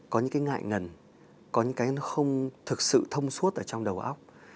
có những cái ngại ngần có những cái nó không thực sự thông suốt ở trong đầu óc